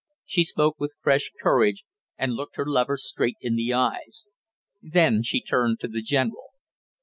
She spoke with fresh courage and looked her lover straight in the eyes. Then she turned to the general.